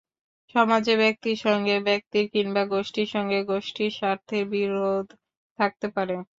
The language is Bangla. সমাজে ব্যক্তির সঙ্গে ব্যক্তির কিংবা গোষ্ঠীর সঙ্গে গোষ্ঠীর স্বার্থের বিরোধ থাকতে পারে।